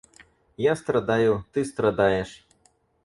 Я страдаю, ты страдаешь.